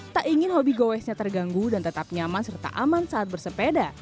tak ingin hobi goesnya terganggu dan tetap nyaman serta aman saat bersepeda